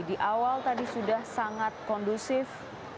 di awal tadi sudah sangat kondusif